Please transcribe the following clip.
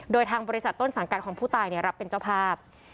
โดยทางบริษัทต้นสังกัดของผู้ตายรับเป็นเจ้าภาพ